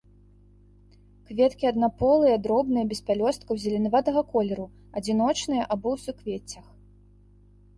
Кветкі аднаполыя, дробныя, без пялёсткаў, зеленаватага колеру, адзіночныя або ў суквеццях.